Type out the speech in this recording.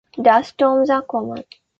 Dust storms are common.